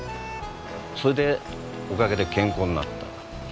それでおかげで健康になった。